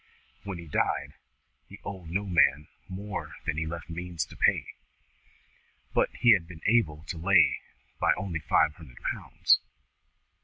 When he died, he owed no man more than he left means to pay, but he had been able to lay by only five hundred pounds."